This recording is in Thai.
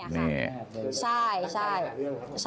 เนี่ยค่ะใช่